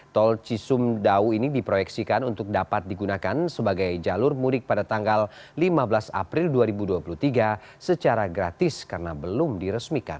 tol cisumdawu ini diproyeksikan untuk dapat digunakan sebagai jalur mudik pada tanggal lima belas april dua ribu dua puluh tiga secara gratis karena belum diresmikan